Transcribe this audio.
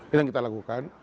itu yang kita lakukan